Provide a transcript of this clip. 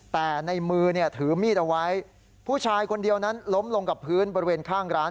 แต่ในมือเนี่ยถือมีดเอาไว้ผู้ชายคนเดียวนั้นล้มลงกับพื้นบริเวณข้างร้าน